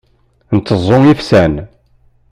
Nteẓẓu ifsan.